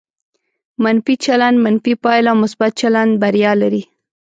منفي چلند منفي پایله او مثبت چلند بریا لري.